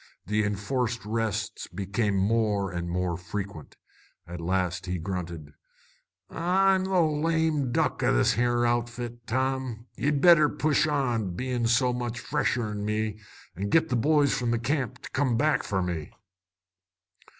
The enforced rests became more and more frequent. At last he grunted "I'm the lame duck o' this here outfit, Tom. Ye'd better push on, bein' so much fresher'n me, an' git the boys from the camp to come back for me."